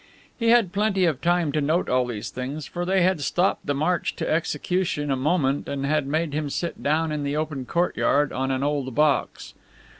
He had plenty of time to note all these things, for they had stopped the march to execution a moment and had made him sit down in the open courtyard on an old box.